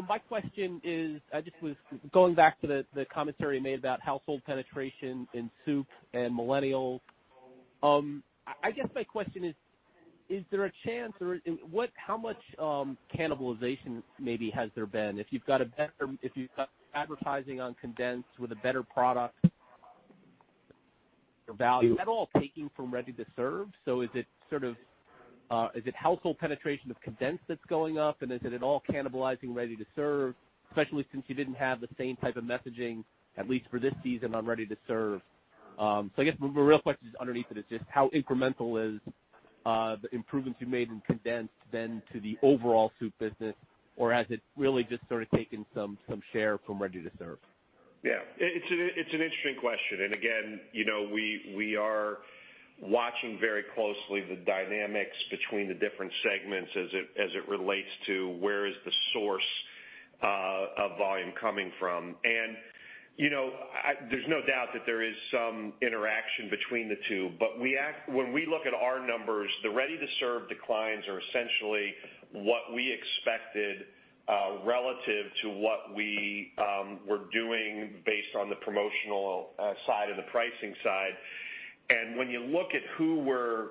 my question is, I just was going back to the commentary you made about household penetration in soup and millennials. I guess my question is there a chance, or how much cannibalization maybe has there been? If you've got advertising on condensed with a better product or value, is that all taking from ready-to-serve? Is it household penetration of condensed that's going up, and is it at all cannibalizing ready-to-serve, especially since you didn't have the same type of messaging, at least for this season, on ready-to-serve? I guess the real question underneath it is just how incremental is the improvements you made in condensed then to the overall soup business, or has it really just sort of taken some share from ready-to-serve? It's an interesting question. Again, we are watching very closely the dynamics between the different segments as it relates to where is the source of volume coming from. There's no doubt that there is some interaction between the two. When we look at our numbers, the ready-to-serve declines are essentially what we expected relative to what we were doing based on the promotional side and the pricing side. When you look at who we're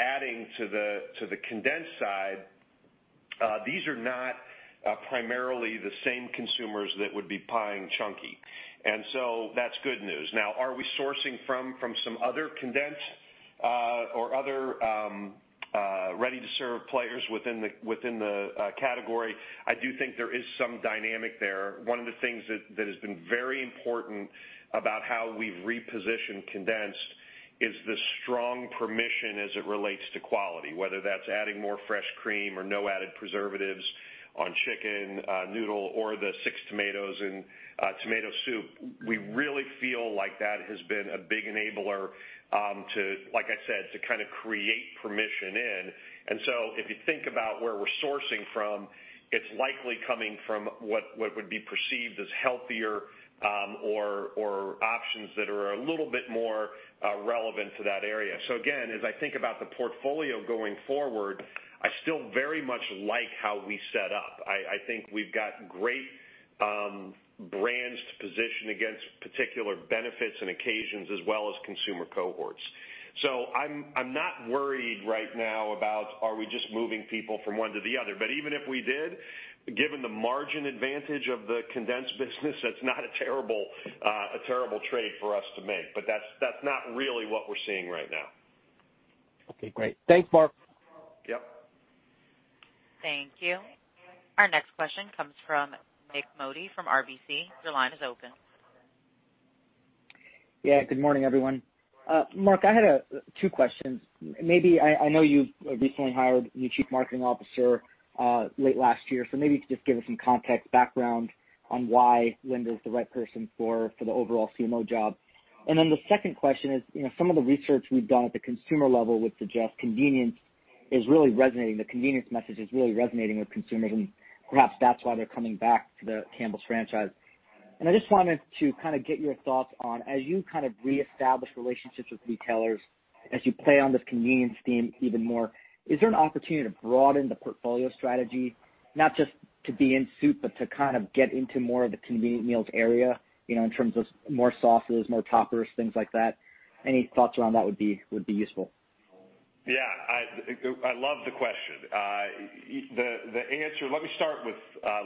adding to the condensed side, these are not primarily the same consumers that would be buying Chunky. That's good news. Now, are we sourcing from some other condensed or other ready-to-serve players within the category? I do think there is some dynamic there. One of the things that has been very important about how we've repositioned condensed is the strong permission as it relates to quality, whether that's adding more fresh cream or no added preservatives on chicken, noodle, or the six tomatoes in tomato soup. We really feel like that has been a big enabler, like I said, to kind of create permission in. If you think about where we're sourcing from, it's likely coming from what would be perceived as healthier or options that are a little bit more relevant to that area. Again, as I think about the portfolio going forward, I still very much like how we set up. I think we've got great brands to position against particular benefits and occasions, as well as consumer cohorts. I'm not worried right now about are we just moving people from one to the other, but even if we did, given the margin advantage of the condensed business, that's not a terrible trade for us to make. That's not really what we're seeing right now. Okay, great. Thanks, Mark. Yep. Thank you. Our next question comes from Nik Modi from RBC. Your line is open. Good morning, everyone. Mark, I had two questions. I know you've recently hired a new Chief Marketing Officer late last year, maybe you could just give us some context background on why Linda's the right person for the overall CMO job. The second question is, some of the research we've done at the consumer level would suggest convenience is really resonating. The convenience message is really resonating with consumers, perhaps that's why they're coming back to the Campbell's franchise. I just wanted to kind of get your thoughts on, as you kind of reestablish relationships with retailers, as you play on this convenience theme even more, is there an opportunity to broaden the portfolio strategy, not just to be in soup, but to kind of get into more of the convenient meals area, in terms of more sauces, more toppers, things like that? Any thoughts around that would be useful. Yeah. I love the question. Let me start with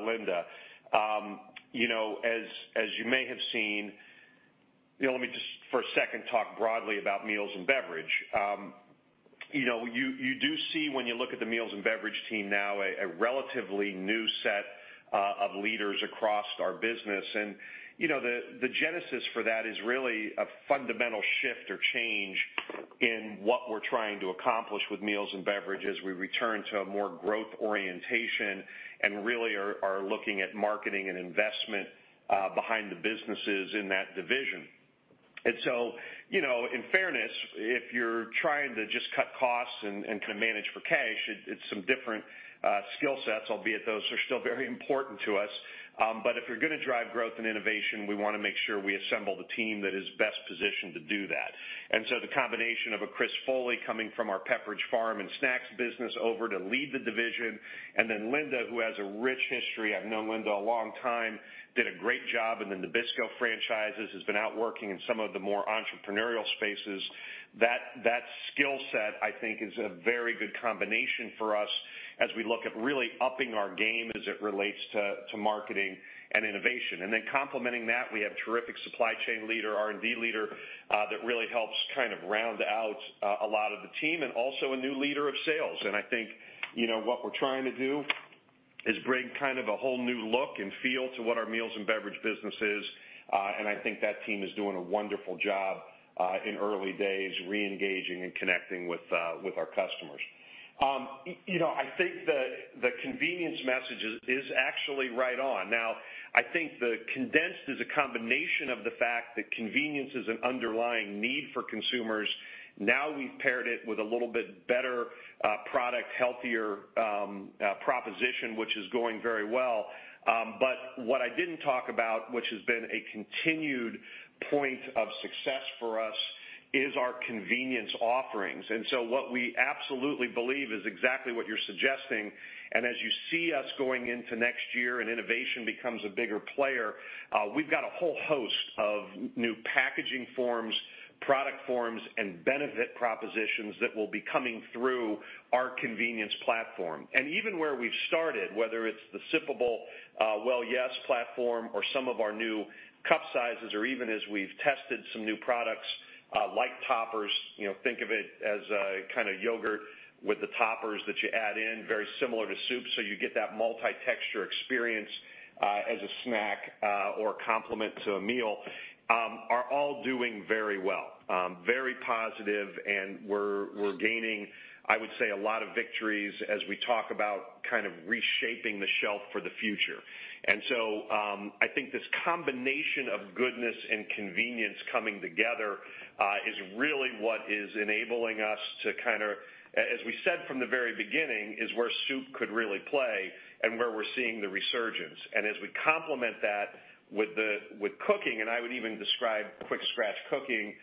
Linda. Let me just for a second talk broadly about Meals & Beverages. You do see when you look at the Meals & Beverages team now, a relatively new set of leaders across our business. The genesis for that is really a fundamental shift or change in what we're trying to accomplish with Meals & Beverages. We return to a more growth orientation and really are looking at marketing and investment behind the businesses in that division. In fairness, if you're trying to just cut costs and kind of manage for cash, it's some different skill sets, albeit those are still very important to us. If you're going to drive growth and innovation, we want to make sure we assemble the team that is best positioned to do that. The combination of a Chris Foley coming from our Pepperidge Farm and Snacks Division over to lead the division, Linda, who has a rich history, I've known Linda a long time, did a great job in the Nabisco franchises, has been out working in some of the more entrepreneurial spaces. That skill set, I think, is a very good combination for us as we look at really upping our game as it relates to marketing and innovation. Complementing that, we have terrific supply chain leader, R&D leader, that really helps kind of round out a lot of the team, and also a new leader of sales. I think what we're trying to do is bring kind of a whole new look and feel to what our Meals & Beverages business is. I think that team is doing a wonderful job in early days, reengaging and connecting with our customers. I think the convenience message is actually right on. I think the condensed is a combination of the fact that convenience is an underlying need for consumers. We've paired it with a little bit better product, healthier proposition, which is going very well. What I didn't talk about, which has been a continued point of success for us, is our convenience offerings. What we absolutely believe is exactly what you're suggesting, and as you see us going into next year and innovation becomes a bigger player, we've got a whole host of new packaging forms, product forms, and benefit propositions that will be coming through our convenience platform. Even where we've started, whether it's the sippable Well Yes! platform or some of our new cup sizes, or even as we've tested some new products, like toppers, think of it as a kind of yogurt with the toppers that you add in, very similar to soup, so you get that multi-texture experience, as a snack or a compliment to a meal, are all doing very well. Very positive and we're gaining, I would say, a lot of victories as we talk about kind of reshaping the shelf for the future. I think this combination of goodness and convenience coming together is really what is enabling us to kind of, as we said from the very beginning, is where soup could really play and where we're seeing the resurgence. As we complement that with cooking, and I would even describe quick scratch cooking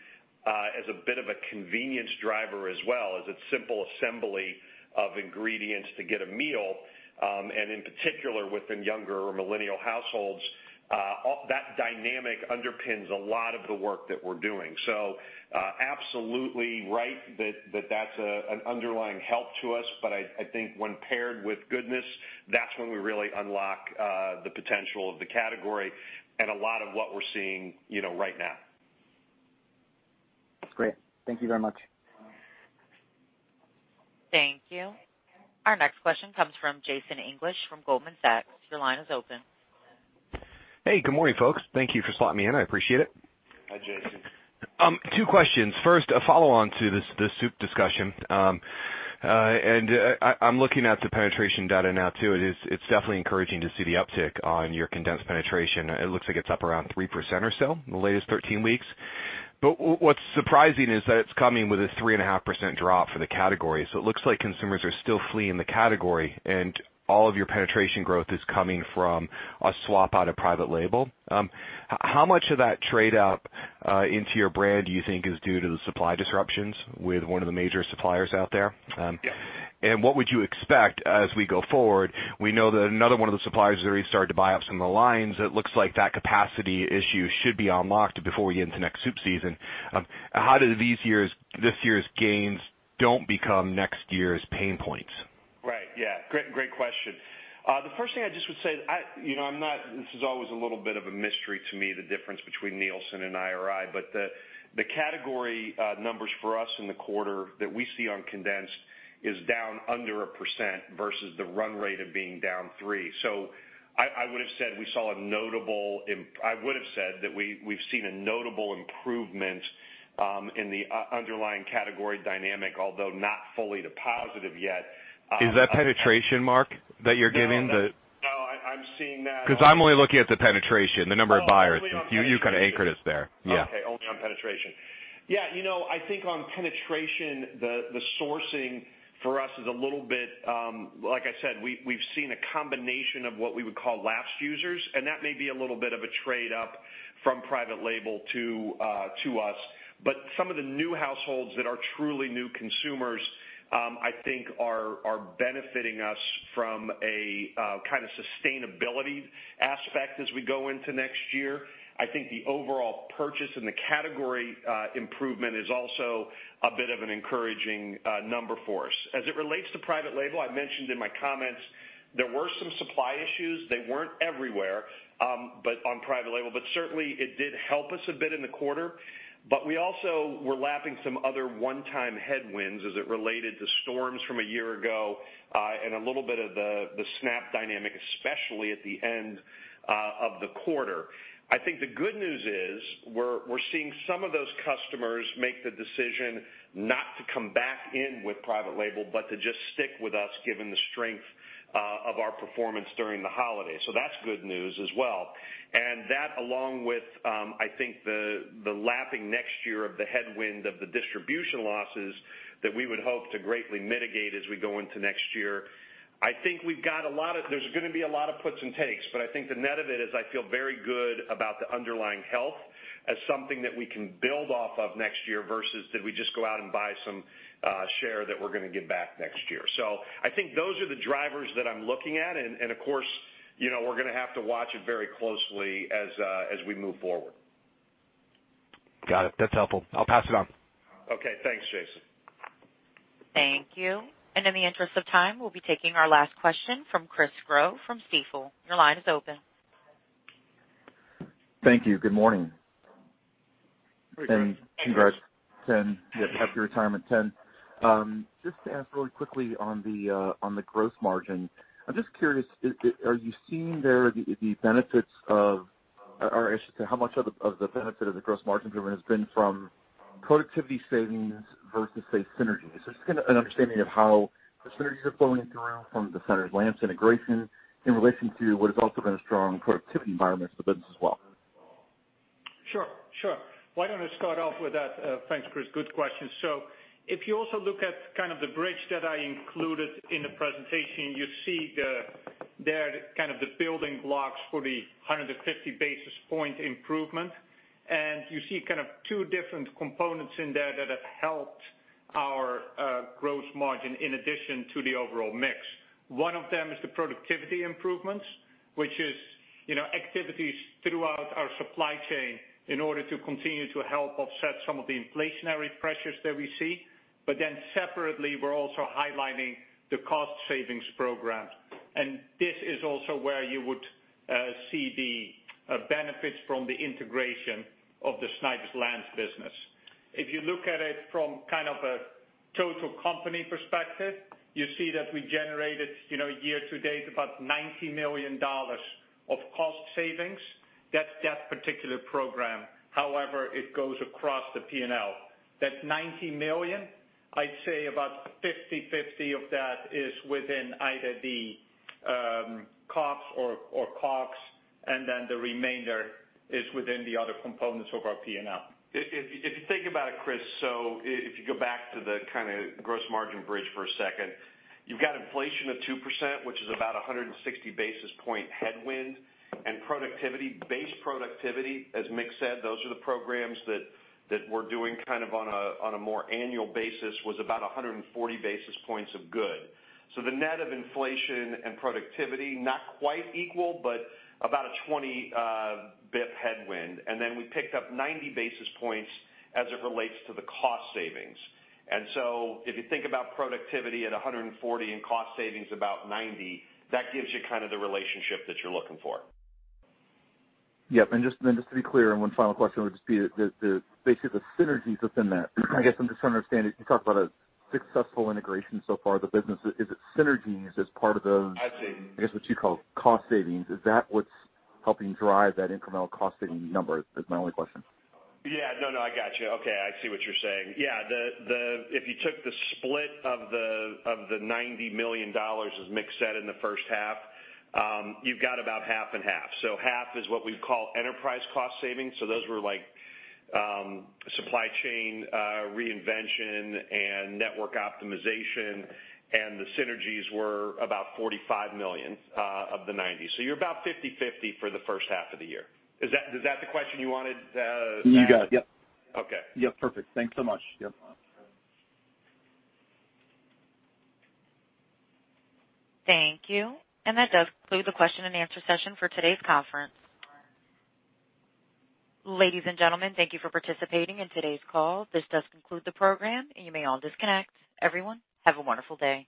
as a bit of a convenience driver as well, as it's simple assembly of ingredients to get a meal. In particular, within younger millennial households, that dynamic underpins a lot of the work that we're doing. Absolutely right that that's an underlying help to us, but I think when paired with goodness, that's when we really unlock the potential of the category and a lot of what we're seeing right now. Great. Thank you very much. Thank you. Our next question comes from Jason English from Goldman Sachs. Your line is open. Hey, good morning, folks. Thank you for slotting me in. I appreciate it. Hi, Jason. Two questions. First, a follow-on to the soup discussion. I'm looking at the penetration data now too. It's definitely encouraging to see the uptick on your condensed penetration. It looks like it's up around 3% or so in the latest 13 weeks. What's surprising is that it's coming with a 3.5% drop for the category. It looks like consumers are still fleeing the category and all of your penetration growth is coming from a swap out of private label. How much of that trade out? Into your brand, do you think is due to the supply disruptions with one of the major suppliers out there? Yes. What would you expect as we go forward? We know that another one of the suppliers has already started to buy up some of the lines. It looks like that capacity issue should be unlocked before we get into next soup season. How do this year's gains don't become next year's pain points? Right. Yeah. Great question. The first thing I just would say, this is always a little bit of a mystery to me, the difference between Nielsen and IRI, but the category numbers for us in the quarter that we see on condensed is down under 1% versus the run rate of being down 3%. I would've said that we've seen a notable improvement in the underlying category dynamic, although not fully to positive yet. Is that penetration, Mark, that you're giving the? No, I'm seeing that. I'm only looking at the penetration, the number of buyers. Oh, only on penetration. You kind of anchored us there. Yeah. Okay. Only on penetration. Yeah, I think on penetration, the sourcing for us is a little bit, like I said, we've seen a combination of what we would call lapsed users, and that may be a little bit of a trade-up from private label to us. Some of the new households that are truly new consumers, I think are benefiting us from a kind of sustainability aspect as we go into next year. I think the overall purchase and the category improvement is also a bit of an encouraging number for us. As it relates to private label, I mentioned in my comments, there were some supply issues. They weren't everywhere on private label, but certainly it did help us a bit in the quarter. We also were lapping some other one-time headwinds as it related to storms from a year ago, and a little bit of the SNAP dynamic, especially at the end of the quarter. I think the good news is, we're seeing some of those customers make the decision not to come back in with private label, but to just stick with us given the strength of our performance during the holiday. That's good news as well. That along with, I think, the lapping next year of the headwind of the distribution losses that we would hope to greatly mitigate as we go into next year. I think there's gonna be a lot of puts and takes, but I think the net of it is I feel very good about the underlying health as something that we can build off of next year versus did we just go out and buy some share that we're gonna give back next year. I think those are the drivers that I'm looking at, and of course, we're gonna have to watch it very closely as we move forward. Got it. That's helpful. I'll pass it on. Okay. Thanks, Jason. Thank you. In the interest of time, we'll be taking our last question from Chris Growe from Stifel. Your line is open. Thank you. Good morning. Great. Congrats, Ken, after your retirement Ken, just to ask really quickly on the gross margin. I'm just curious, are you seeing there how much of the benefit of the gross margin driven has been from productivity savings versus, say, synergies? Just get an understanding of how the synergies are flowing through from the Snyder's-Lance integration in relation to what has also been a strong productivity environment for the business as well. Sure. Why don't I start off with that? Thanks, Chris. Good question. If you also look at kind of the bridge that I included in the presentation, you see there kind of the building blocks for the 150 basis point improvement. You see kind of two different components in there that have helped our gross margin in addition to the overall mix. One of them is the productivity improvements, which is activities throughout our supply chain in order to continue to help offset some of the inflationary pressures that we see. Separately, we're also highlighting the cost savings programs. This is also where you would see the benefits from the integration of the Snyder's-Lance business. If you look at it from kind of a total company perspective, you see that we generated year to date about $90 million of cost savings. That's that particular program. However, it goes across the P&L. That $90 million, I'd say about 50/50 of that is within either the COGS or COGS, and then the remainder is within the other components of our P&L. If you think about it, Chris, if you go back to the kind of gross margin bridge for a second, you've got inflation of 2%, which is about 160 basis point headwind, and base productivity, as Mick said, those are the programs that we're doing kind of on a more annual basis, was about 140 basis points of good. The net of inflation and productivity, not quite equal, but about a 20 BP headwind. We picked up 90 basis points as it relates to the cost savings. If you think about productivity at 140 and cost savings about 90, that gives you kind of the relationship that you're looking for. Yep. Then just to be clear on one final question, would just be basically the synergies within that. I guess I'm just trying to understand, if you talk about a successful integration so far of the business, is it synergies as part of those? I'd say. I guess what you call cost savings. Is that what's helping drive that incremental cost savings number is my only question? No, I got you. Okay, I see what you're saying. If you took the split of the $90 million, as Mick said, in the first half, you've got about half and half. Half is what we'd call enterprise cost savings. Those were like supply chain reinvention and network optimization, and the synergies were about $45 million of the 90. You're about 50/50 for the first half of the year. Is that the question you wanted to ask? You got it. Yep. Okay. Yep. Perfect. Thanks so much. Yep. Thank you. That does conclude the question and answer session for today's conference. Ladies and gentlemen, thank you for participating in today's call. This does conclude the program, and you may all disconnect. Everyone, have a wonderful day.